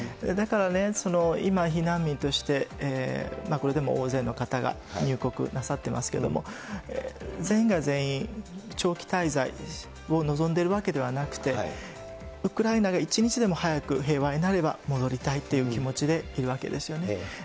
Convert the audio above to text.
だから、今、避難民として、これでも大勢の方が入国なさっていますけれども、全員が全員、長期滞在を望んでいるわけではなくて、ウクライナが一日でも早く平和になれば戻りたいという気持ちでいるわけですよね。